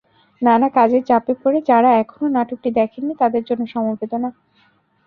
নানা কাজের চাপে পড়ে যাঁরা এখনো নাটকটি দেখেননি, তাঁদের জন্য সমবেদনা।